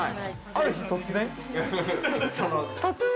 ある日、突然？